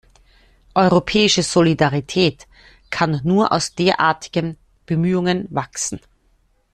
Europäische Solidarität kann nur aus derartigen Bemühungen erwachsen.